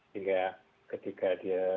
sehingga ketika dia